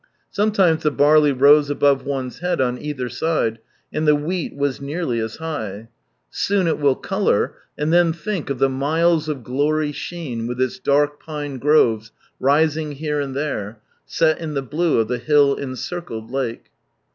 Sometimes the barley rose above one's head on either side, and the wheat was nearly as high. Soon it will colour, and then think of the miles of glorj' sheen, with its dark pine groves rising here and there, set in the blue of the hill en circled lake.